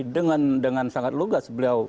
dengan sangat lugas beliau